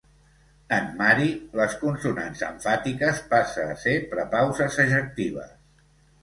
En mahri, les consonants emfàtiques passe a ser prepauses ejectives.